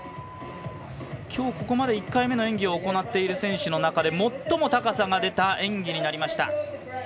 今日ここまで１回目の演技を行った選手の中で最も高さが出た演技になりました。